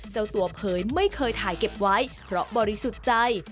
เจ้าตัวเผยไม่เคยถ่ายเก็บไว้เพราะบริสุทธิ์ใจ